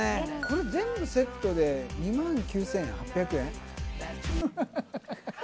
これ全部セットで２万９８００円？